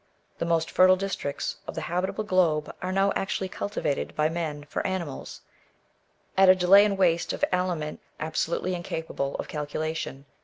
The most fertile districts of the habitable globe are now actually cultivated by men for animals, at a delay and waste of aliment absolutely incapable of calculation.